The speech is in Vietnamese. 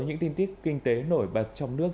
những tin tiết kinh tế nổi bật trong nước